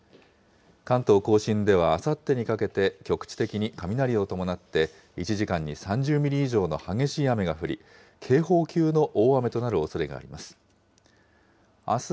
関東甲信ではあさってにかけて、局地的に雷を伴って１時間に３０ミリ以上の激しい雨が降り、警報級の大雨となるおそれがあります。